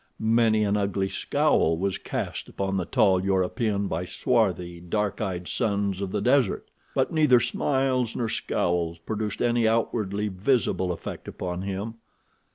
Many an ugly scowl was cast upon the tall European by swarthy, dark eyed sons of the desert, but neither smiles nor scowls produced any outwardly visible effect upon him.